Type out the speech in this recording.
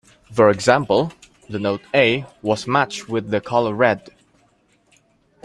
For example, the note A was matched with the colour red.